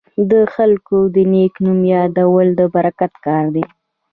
د خلکو د نیک نوم یادول د برکت کار دی.